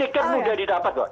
tiket mudah didapat kok